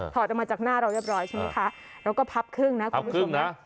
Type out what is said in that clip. อดออกมาจากหน้าเราเรียบร้อยใช่ไหมคะเราก็พับครึ่งนะคุณผู้ชมนะ